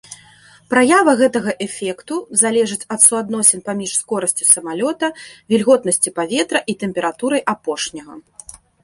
Праява гэтага эфекту залежыць ад суадносін паміж скорасцю самалёта, вільготнасцю паветра і тэмпературай апошняга.